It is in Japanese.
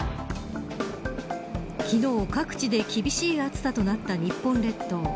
昨日各地で厳しい暑さとなった日本列島。